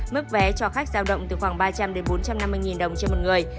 mức vé cho khách giao động từ khoảng ba trăm linh bốn trăm năm mươi đồng trên một người